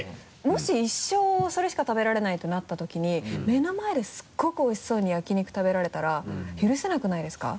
もし一生それしか食べられないとなったときに目の前ですごくおいしそうに焼き肉食べられたら許せなくないですか？